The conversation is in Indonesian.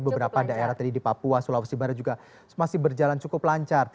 beberapa daerah tadi di papua sulawesi barat juga masih berjalan cukup lancar